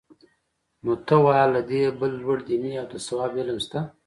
نو ته وا له دې بل لوړ دیني او د ثواب علم شته؟